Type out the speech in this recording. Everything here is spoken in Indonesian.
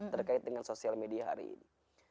terkait dengan sosial media hari ini